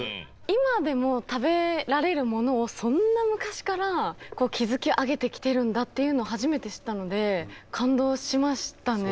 今でも食べられるものをそんな昔から築き上げてきてるんだっていうのを初めて知ったので感動しましたね。